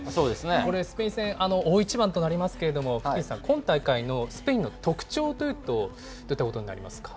これ、スペイン戦、大一番となりますけれども、福西さん、今大会のスペインの特徴というと、どういったことになりますか？